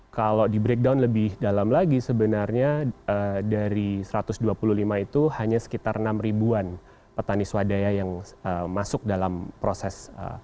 kalau di breakdown lebih dalam lagi sebenarnya dari satu ratus dua puluh lima itu hanya sekitar enam ribuan petani swadaya yang masuk dalam proses